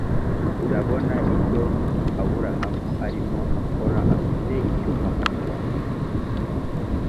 rabona icyo aburahamu arimo akora afite icyuma mu ntoki